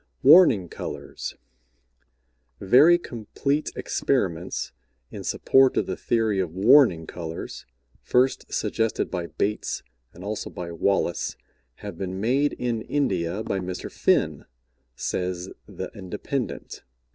WARNING COLORS. Very complete experiments in support of the theory of warning colors, first suggested by Bates and also by Wallace, have been made in India by Mr. Finn, says The Independent.